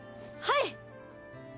はい！